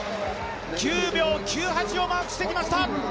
９秒９８をマークしてきました。